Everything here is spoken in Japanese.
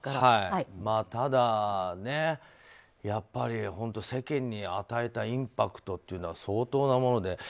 ただ、やっぱり世間に与えたインパクトというのは相当なもので。